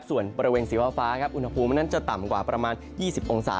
ส่วนบริเวณสีฟ้าครับอุณหภูมินั้นจะต่ำกว่าประมาณ๒๐องศา